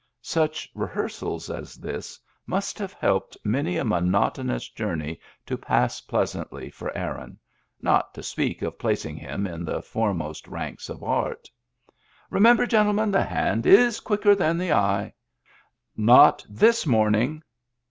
Such rehearsals as this must have helped many a monotonous journey to pass pleasantly for Aaron — not to speak of placing him in the fore most ranks of Art. "Remember, gentlemen, the hand is quicker than the eye "" Not this morning."